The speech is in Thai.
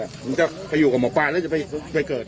ผมจะไปอยู่กับหมอปลาแล้วจะไปเกิด